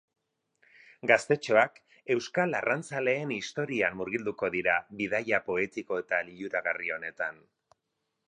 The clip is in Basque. Gaztetxoak euskal arrantzaleen historian murgilduko dira bidaia poetiko eta liluragarri honetan.